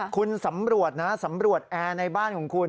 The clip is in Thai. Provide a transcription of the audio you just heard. คุณสำรวจนะสำรวจแอร์ในบ้านของคุณ